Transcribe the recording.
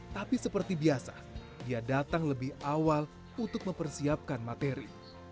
tapi seperti biasa dia datang lebih awal untuk mempersiapkan materi